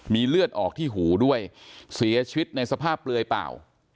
มีเลือดออกที่หูด้วยเสียชีวิตในสภาพเปลือยเปล่า